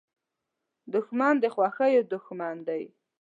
دښمن د خوښیو دوښمن دی